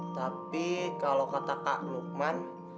tapi kalau kata kak lukman